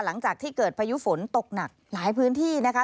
หลังจากที่เกิดพายุฝนตกหนักหลายพื้นที่นะคะ